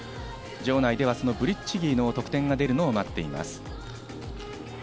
場内ではそのブリッチギーの得点が出るのを待っています。